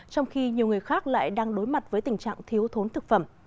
trong khi nhiều người khác lại đang đối mặt với tình trạng thiếu thốn thực phẩm